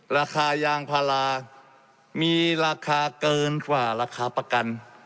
ราคายางพารามีราคาเกินกว่าราคาประกัน